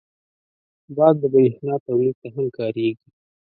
باد د بریښنا تولید ته هم کارېږي